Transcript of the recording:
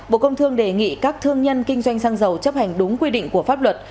bộ công thương đề nghị các thương nhân kinh doanh xăng dầu chấp hành đúng quy định của pháp luật